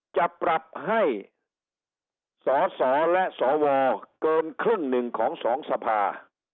จะปรับให้สสและสวเกินครึ่งหนึ่งของสองสภา